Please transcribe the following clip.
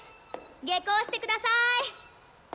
下校してください。